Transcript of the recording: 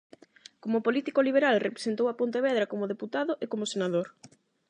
Como político liberal representou a Pontevedra como deputado e como senador.